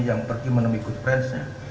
yang pergi menemui good friendsnya